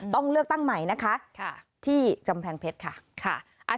ต้องเลือกตั้งใหม่นะคะที่กำแพงเพชรค่ะ